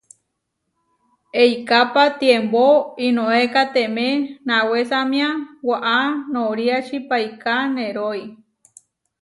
Eikápa tiembo iʼnoekatemé nawésamia waʼá noriači paiká nerói.